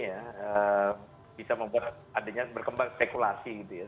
ya memang lambatnya proses ini ya bisa membuat adanya berkembang spekulasi gitu ya